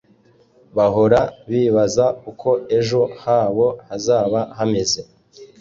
bahora bibaza uko ejo habo bazaba hameze